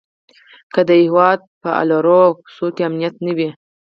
که د یوه هيواد په الرو او کوڅو کې امنيت نه وي؛